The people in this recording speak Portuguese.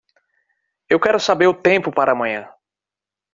Eu quero saber o tempo para amanhã.